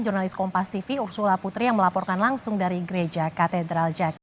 jurnalis kompas tv ursula putri yang melaporkan langsung dari gereja katedral jakarta